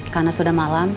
karena sudah malam